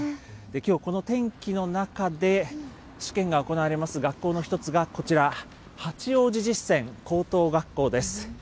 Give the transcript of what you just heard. きょう、この天気の中で試験が行われます学校の１つがこちら、八王子実践高等学校です。